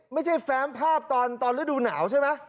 ไม่ใช่แฟมภาพตอนฤดูหนาวใช่ไหม